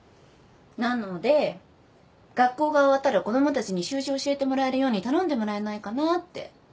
なので学校が終わったら子供たちに習字教えてもらえるように頼んでもらえないかなって。